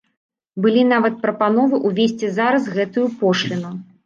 Былі нават прапановы ўвесці зараз гэтую пошліну.